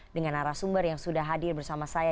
dengan arah sumber yang sudah hadir bersama saya